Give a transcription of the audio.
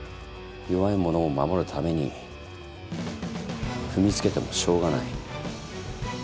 弱い者を守るために踏みつけてもしょうがない？